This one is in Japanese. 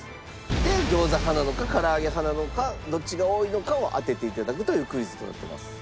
で餃子派なのかから揚げ派なのかどっちが多いのかを当てて頂くというクイズとなってます。